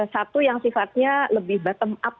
satu yang sifatnya lebih bottom up